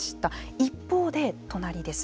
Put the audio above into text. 一方で隣です。